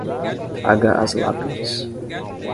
Traga as lápides